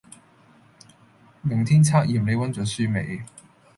明天測驗你溫咗書未